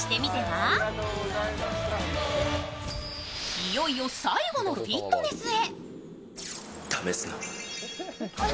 いよいよ最後のフィットネスへ。